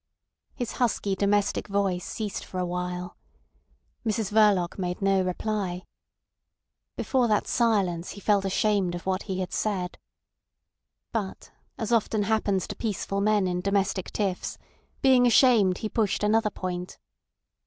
..." His husky domestic voice ceased for a while. Mrs Verloc made no reply. Before that silence he felt ashamed of what he had said. But as often happens to peaceful men in domestic tiffs, being ashamed he pushed another point.